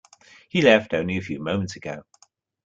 He left only a few moments ago.